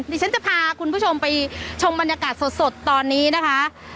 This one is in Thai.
ดิฉันจะพาคุณผู้ชมไปชมบรรยากาศสดตอนนี้นะคะ